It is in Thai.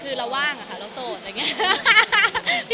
คือเราว่างอ่ะคะเราโสดอันนี้